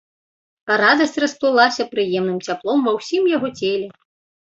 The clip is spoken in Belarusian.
Радасць расплылася прыемным цяплом ва ўсім яго целе.